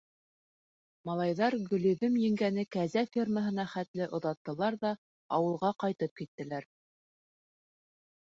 Малайҙар Гөлйөҙөм еңгәне кәзә фермаһына хәтле оҙаттылар ҙа ауылға ҡайтып киттеләр.